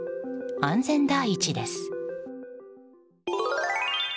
安全第一です。